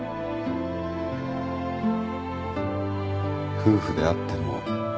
夫婦であっても。